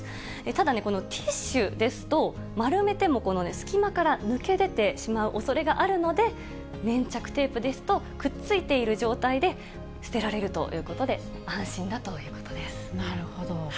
ただね、このティッシュですと、丸めても隙間から抜け出てしまうおそれがあるので、粘着テープですと、くっついている状態で捨てられるということで、なるほど。